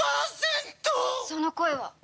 その声は。